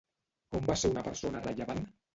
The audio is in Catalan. On va ser una persona rellevant?